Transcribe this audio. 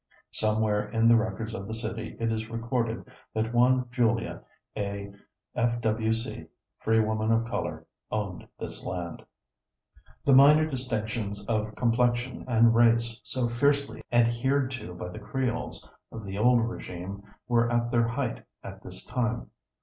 Somewhere in the records of the city it is recorded that one Julia, a F. W. C. (free woman of color), owned this land. The minor distinctions of complexion and race so fiercely adhered to by the Creoles of the old regime were at their height at this time.